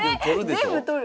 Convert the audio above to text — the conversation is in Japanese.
全部取る。